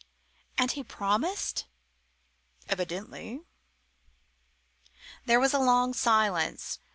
"And he promised?" "Evidently." There was a long silence.